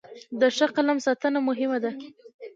د ښه قلم ساتنه مهمه ده.